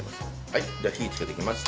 はいじゃあ火つけていきます。